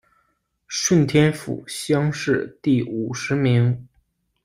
顺天府乡试第五十名。